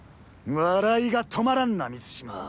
笑いが止まらんな水嶋。